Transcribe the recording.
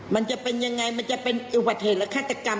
มันจะเป็นยังไงมันจะเป็นประเทศและฆาตกรรม